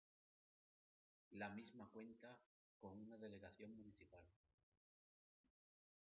La misma cuenta con una Delegación municipal.